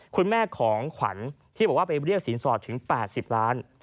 คุณแม่ของขวัญที่บอกว่าไปเรียกสินสอดถึง๘๐ล้าน